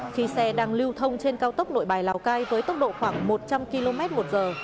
khi xe đang lưu thông trên cao tốc nội bài lào cai với tốc độ khoảng một trăm linh km một giờ